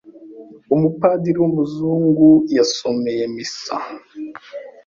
Umupadiri w'umuzungu yasomeye misa